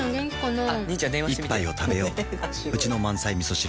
一杯をたべよううちの満菜みそ汁